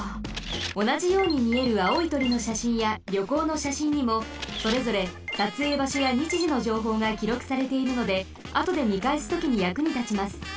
おなじようにみえるあおいとりのしゃしんやりょこうのしゃしんにもそれぞれさつえいばしょやにちじのじょうほうがきろくされているのであとでみかえすときにやくにたちます。